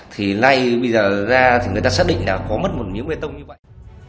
thì nay bây giờ ra thì người ta xác định là có mất một miếng bê tông như vậy